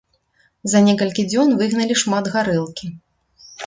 За некалькі дзён выгналі шмат гарэлкі.